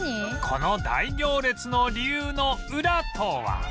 この大行列の理由のウラとは？